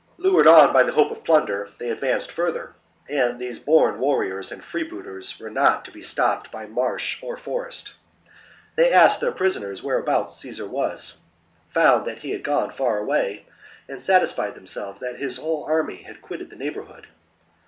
Lured on by the hope of plunder, they advanced further ; and these born warriors and freebooters were not to be stopped by marsh or forest They asked their prisoners whereabouts Caesar was ; found that he had gone far away ; and satisfied themselves that his whole army had quitted the neighbour hood.